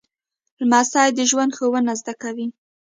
لمسی د ژوند ښوونه زده کوي.